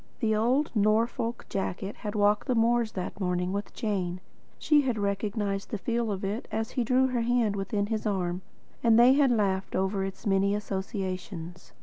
The old Norfolk jacket had walked the moors that morning with Jane. She had recognised the feel of it as he drew her hand within his arm, and they had laughed over its many associations.